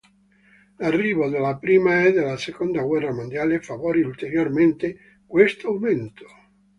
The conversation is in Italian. L'arrivo della prima e della seconda guerra mondiale favorì ulteriormente questo aumento.